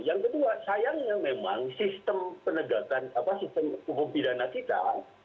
yang kedua sayangnya memang sistem penegakan sistem hukum pidana kita